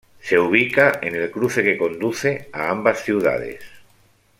Se ubica en el cruce que conduce a ambas ciudades.